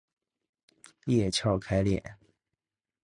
叶鞘开裂。